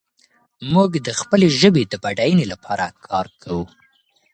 موږ د خپلې ژبې د بډاینې لپاره کار کوو.